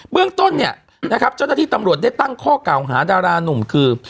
เรื่องต้นเนี่ยนะครับเจ้าหน้าที่ตำรวจได้ตั้งข้อเก่าหาดารานุ่มคือ